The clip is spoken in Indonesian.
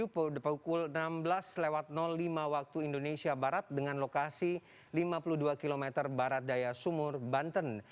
pukul enam belas lima waktu indonesia barat dengan lokasi lima puluh dua km barat daya sumur banten